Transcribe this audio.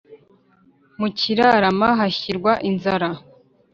mu kirarama, hashyirwa inzira